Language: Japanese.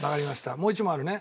もう１問あるね？